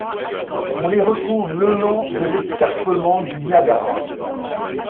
On les retrouve le long de l’escarpement du Niagara.